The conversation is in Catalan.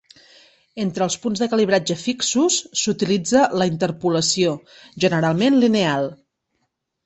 Entre els punts de calibratge fixos, s'utilitza la interpolació, generalment lineal.